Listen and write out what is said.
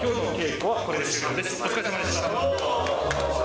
お疲れさまでした。